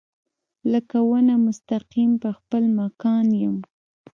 لکه ونه مستقیم پۀ خپل مکان يم